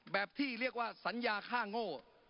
แบบที่เรียกว่าสัญญาค่าโง่